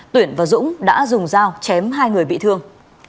tuyển và dũng đã dùng dao chém hai người bị thương